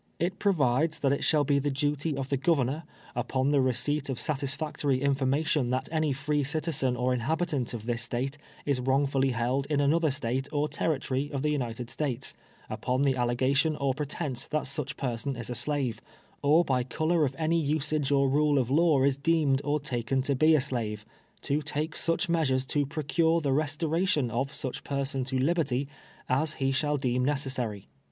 It provides that it shall be the duty of the Governor, u})on the re ceipt of satisfactory information that any free citizen or inhabitant of this State, is wrongfully held in another State or Territory of the United States, upon the al legation or pretence that such person is a slave, or by color of any usage or rule of law is deemed or taken to be a slave, to take such measures to procure the restoration of such person to liberty, as he shall deem necessary.